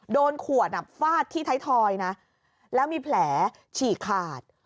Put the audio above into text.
โดนขวดฟาดที่ไทยทอยนะแล้วมีแผลฉีกขาด